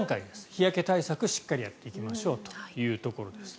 日焼け対策をしっかりやっていきましょうというところ。